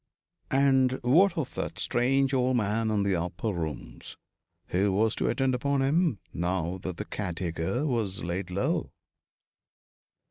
And what of that strange old man in the upper rooms? Who was to attend upon him, now that the caretaker was laid low?